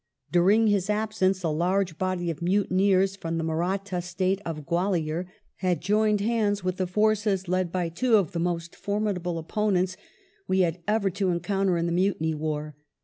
During his absence a large body of mutineers from the Maratha State of Gwalior had joined hands with the forces led by two of the most formidable opponents we had ever to encounter in the Mutiny war.